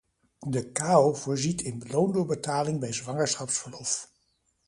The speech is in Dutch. De cao voorziet in loondoorbetaling bij zwangerschapsverlof.